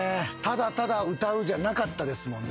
ただただ歌うじゃなかった。